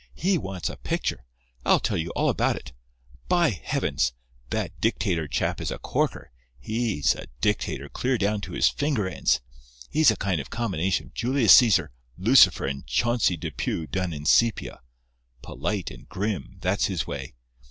He wants a picture. I'll tell you all about it. By Heavens! that dictator chap is a corker! He's a dictator clear down to his finger ends. He's a kind of combination of Julius Cæsar, Lucifer and Chauncey Depew done in sepia. Polite and grim—that's his way.